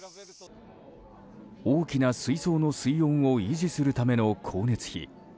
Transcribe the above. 大きな水槽の水温を維持するための光熱費。